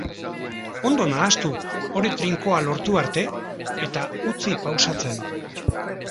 Ondo nahastu, ore trinkoa lortu arte, eta utzi pausatzen.